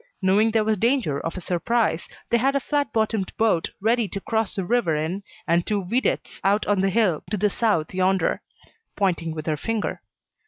Knowing there was danger of a surprise, they had a flat bottomed boat ready to cross the river in, and two videttes out on the hill to the south yonder" pointing with her finger.